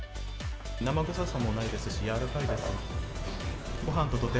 生臭さもないですし、やわらかいです。